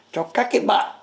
cho các cái bạn